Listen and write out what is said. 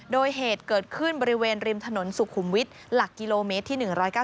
โดยเหตุเกิดขึ้นบริเวณริมถนนสุขุมวิทย์หลักกิโลเมตรที่๑๙๙